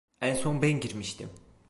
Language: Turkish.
En son ben girmiştim.